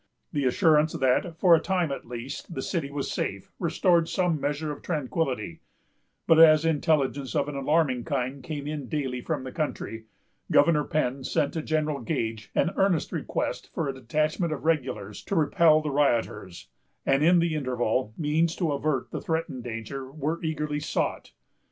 The assurance that, for a time at least, the city was safe, restored some measure of tranquillity; but, as intelligence of an alarming kind came in daily from the country, Governor Penn sent to General Gage an earnest request for a detachment of regulars to repel the rioters; and, in the interval, means to avert the threatened danger were eagerly sought.